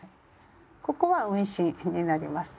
ここは運針になります。